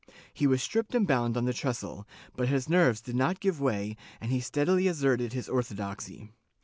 He was stripped and bound on the trestle, but his nerves did not give way and he steadily asserted his ortho doxy.